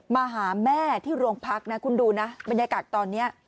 มาหาแม่ที่โรงพักนะคุณดูนะบรรยากาศตอนนี้